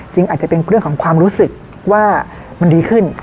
อาจจะเป็นเรื่องของความรู้สึกว่ามันดีขึ้น